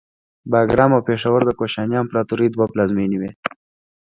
باګرام او پیښور د کوشاني امپراتورۍ دوه پلازمینې وې